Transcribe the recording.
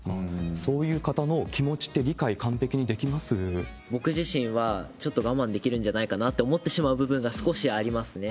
そういう方の気持ちって、理解、僕自身は、ちょっと我慢できるんじゃないかなって思ってしまう部分が少しありますね。